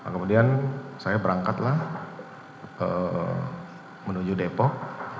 kemudian saya berangkatlah menuju depok